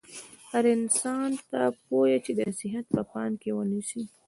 هر انسان ته پویه چې دا نصحیت په پام کې ونیسي.